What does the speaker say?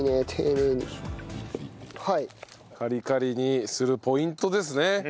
カリカリにするポイントですね。